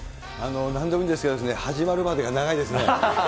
なんでもいいんですけど、始まるまでが長いですね。